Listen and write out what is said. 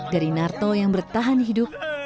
dari narto yang bertahan hidup